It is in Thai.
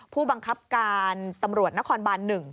ผู้บังคับการตำรวจนครบาน๑